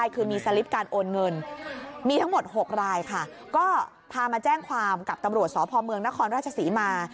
ก็พามาแจ้งความกับตำรวจสอบภอมเมืองนครราชสีมา